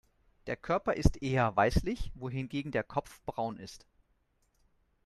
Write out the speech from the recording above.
Der Körper ist eher weißlich, wohingegen der Kopf braun ist.